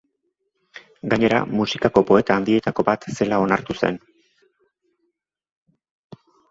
Gainera, musikako poeta handietako bat zela onartu zen.